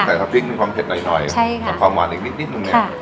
ใส่ข้าวพริกมันมีความเผ็ดหน่อยหน่อยใช่ค่ะแต่ความหวานอีกนิดนิดนึงเนี่ยค่ะ